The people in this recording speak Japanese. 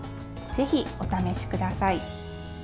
ぜひ、お試しください。